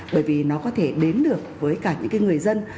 bởi vì nó có thể đến được với cả những người dân